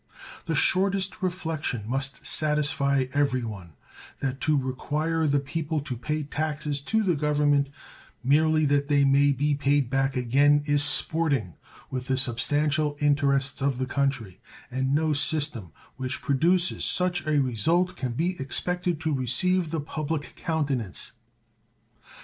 The shortest reflection must satisfy everyone that to require the people to pay taxes to the Government merely that they may be paid back again is sporting with the substantial interests of the country, and no system which produces such a result can be expected to receive the public countenance.